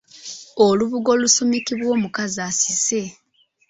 Olubugo olusumikibwa omukazi asise.